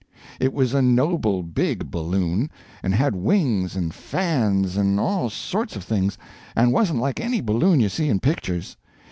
It was a noble big balloon, and had wings and fans and all sorts of things, and wasn't like any balloon you see in pictures.